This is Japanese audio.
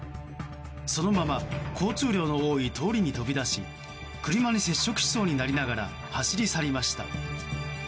そのまま交通量の多い通りに飛び出し車に接触しそうになりながら走り去りました。